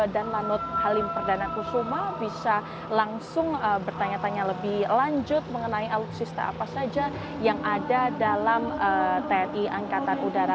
dan lalu halim perdana kusuma bisa langsung bertanya tanya lebih lanjut mengenai alutsista apa saja yang ada dalam tni angkatan udara